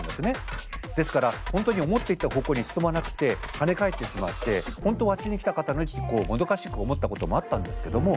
ですから本当に思っていた方向に進まなくて跳ね返ってしまって本当はあっちに行きたかったのにってこうもどかしく思ったこともあったんですけども。